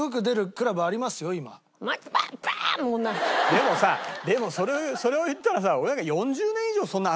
でもさでもそれを言ったらさ俺なんか。